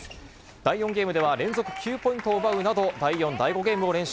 第４ゲームでは連続９ポイントを奪うなど、第４、第５ゲームを連取。